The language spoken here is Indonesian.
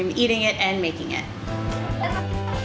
makan dan membuatnya